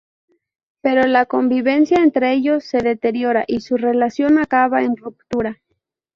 Pero la convivencia entre ellos se deteriora y su relación acaba en ruptura.